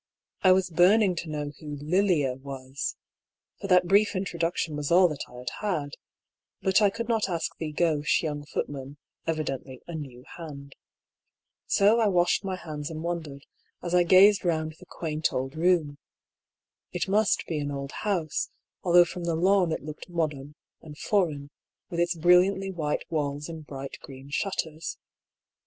I was burn ing to know who " Lilia " was — ^f or that brief introduc tion was all that I had had — but I could not ask the gauche young footman (evidently a " new hand "). So I washed my hands and wondered, as I gazed round the quaint old room. It must be an old house, although from the lawn it looked modem, and foreign, with its brilliantly white walls and bright green shutters.